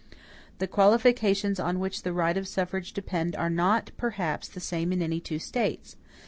The qualifications on which the right of suffrage depend are not, perhaps, the same in any two States.